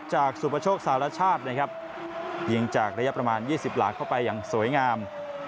สุประโชคสารชาตินะครับยิงจากระยะประมาณ๒๐หลังเข้าไปอย่างสวยงาม